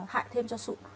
hại thêm cho sụn